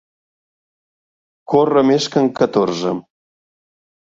Córrer més que en Catorze.